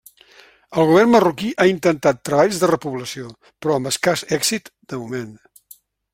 El govern marroquí ha intentat treballs de repoblació, però amb escàs èxit -de moment-.